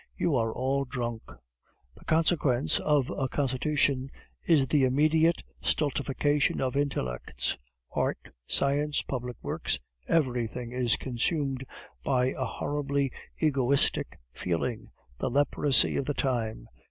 "You are all drunk!" "The consequence of a Constitution is the immediate stultification of intellects. Art, science, public works, everything, is consumed by a horribly egoistic feeling, the leprosy of the time.